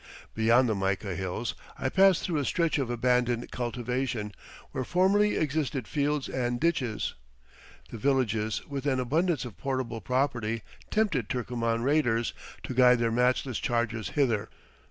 Beyond the mica hills, I pass through a stretch of abandoned cultivation, where formerly existed fields and ditches, and villages with an abundance of portable property tempted Turkoman raiders to guide their matchless chargers hither.